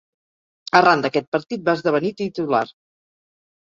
Arran d'aquest partit va esdevenir titular.